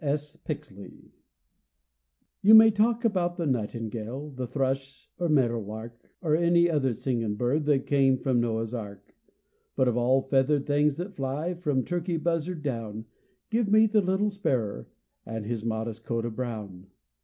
F. S. PIXLEY. You may talk about th' nightingale, th' thrush 'r medder lark, 'R any other singin' bird that came from Noah's ark; But of all feathered things thet fly, from turkey buzzard down, Give me the little sparrer, with his modest coat o' brown.